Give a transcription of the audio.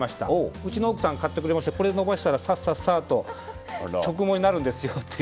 うちの奥さんが買ってくれまして伸ばしたら、さっさっと直毛になるんですよって。